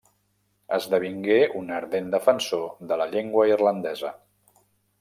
Esdevingué un ardent defensor de la llengua irlandesa.